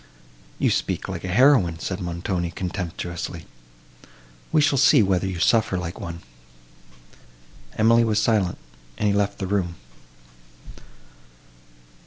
"You speak like a heroine," said Montoni, contemptuously; "we shall see whether you can suffer like one." Emily was silent, and he left the room.